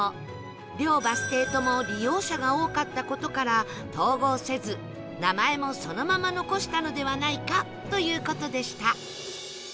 両バス停とも利用者が多かった事から統合せず名前もそのまま残したのではないかという事でした